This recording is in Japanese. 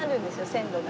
線路が。